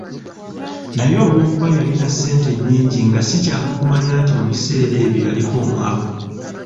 Naye olwokuba yalina ssente nnyingi nga si kyangu kumanya nti mu biseera ebyo yaliko omwavu.